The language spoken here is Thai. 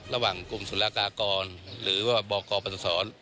ระหว่างกลุ่มศุลากากรหรือว่าบอกกรปศาสตร์